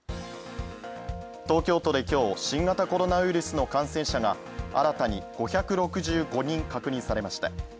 東京都で今日、新型コロナウイルスの感染者が新たに５６５人確認されました。